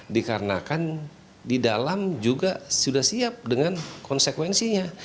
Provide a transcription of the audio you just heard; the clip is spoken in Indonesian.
dikarenakan di dalam juga sudah siap dengan konsekuensinya